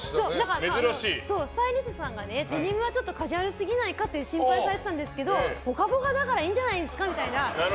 スタイリストさんがデニムはカジュアルすぎないかって心配されてたんですけど「ぽかぽか」だからいいんじゃないですかみたいな。